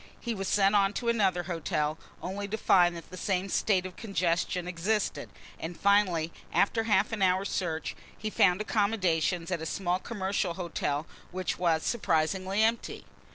He was sent on to another hotel, only to find that the same state of congestion existed, and finally after half an hour's search he found accommodation at a small commercial hotel which was surprisingly empty.